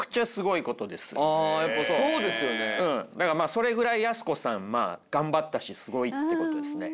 それぐらいやす子さんまあ頑張ったしすごいってことですね。